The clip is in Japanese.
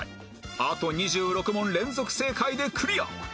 あと２６問連続正解でクリア